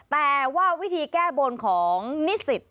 แต่ว่าวิธีแก้บนของนิสิต